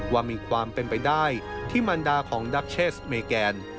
ว่ามีความเป็นไปได้ที่มันดาของดักเชสเมแกน